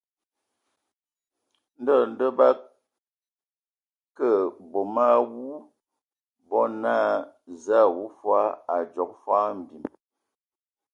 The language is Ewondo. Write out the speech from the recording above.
Ndɔ ndɔ bǝ akə bom a avu, bo naa : Zǝə a wu fɔɔ, a dzogo fɔɔ mbim.